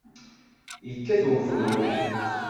Yekkat ubruri.